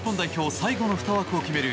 最後の２枠を決める